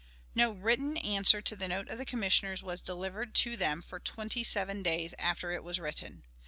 No written answer to the note of the Commissioners was delivered to them for twenty seven days after it was written.